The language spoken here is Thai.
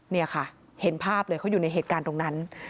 นี่ค่ะเห็นภาพเลยเขาอยู่ในเหตุการณ์ตรงนั้น